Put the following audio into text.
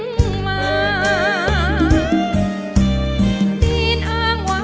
ตีนอ้างวานเหลือที่โลกเมืองขี้เชียว